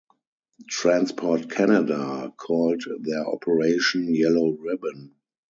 Transport Canada called their operation Yellow Ribbon.